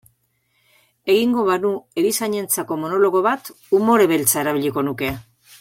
Egingo banu erizainentzako monologo bat, umore beltza erabiliko nuke.